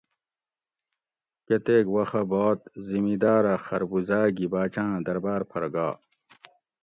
کتیک وختہۤ باد زمیداۤر اۤ خربوزاۤ گی باۤچاۤ آۤں درباۤر پھر گا